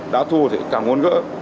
đã thua thì càng muốn gỡ